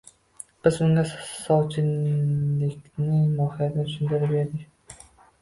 Biz unga sovchilikning mohiyatini tushuntirib berdik.